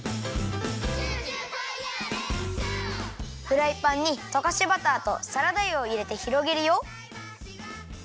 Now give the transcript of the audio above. フライパンにとかしバターとサラダ油をいれてひろげるよ。